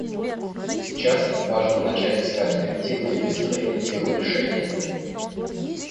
Сейчас важно начать искать коллективные, быстрые и эффективные решения.